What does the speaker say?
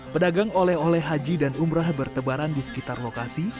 pedagang oleh oleh haji dan umrah bertebaran di sekitar lokasi